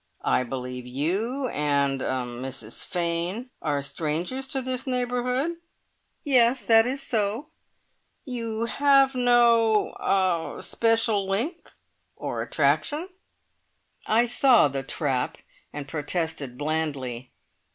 "I believe you and er Mrs Fane are strangers to this neighbourhood?" "Yes! That is so." "You have no er special link or attraction?" I saw the trap, and protested blandly.